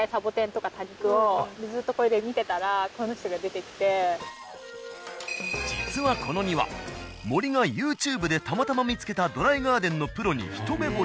私がずっと実はこの庭森がＹｏｕＴｕｂｅでたまたま見つけたドライガーデンのプロにひと目ぼれ